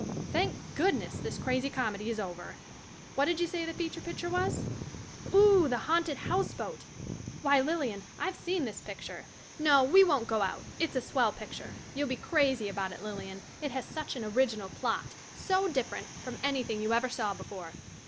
Thank goodness this crazy comedy is over. What didja say the feature picture was ? Oo o, The Haunted House Boat ! Why, Lilian, I've seen this picture. No, 5 6 MAISIE AT THE MOVIES we won't go out — it's a swell picture — you'll be crazy about it, Lilian, it has such an original plot — so differ ent from anything you ever saw before.